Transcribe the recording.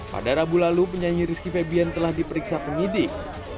pada rabu lalu penyanyi rizky febian telah diperiksa penyidik